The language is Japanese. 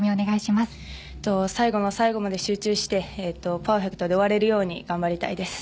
最後の最後まで集中してパーフェクトで終われるように頑張りたいです。